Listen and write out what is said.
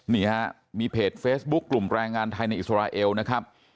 นี่ฮะมีเพจเฟซบุ๊คกลุ่มแรงงานไทยในอิสราเอลนะครับ